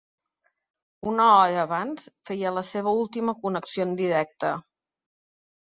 Una hora abans, feia la seva última connexió en directe.